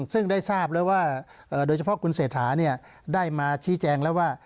ซึ่งได้ทราบแล้วว่าโดยเฉพาะคุณเศรษฐาได้มาชี้แจงแล้วว่า